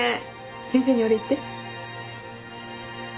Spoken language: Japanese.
先生にお礼言って。